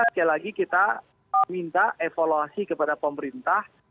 sekali lagi kita minta evaluasi kepada pemerintah